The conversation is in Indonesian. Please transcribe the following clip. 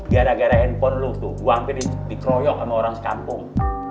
gara gara handphone lo tuh gue hampir dikroyok sama orang sekampung